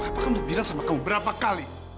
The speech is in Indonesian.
papa kan udah bilang sama kamu berapa kali